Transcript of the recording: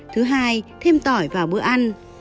thứ hai thêm tỏi vào bữa ăn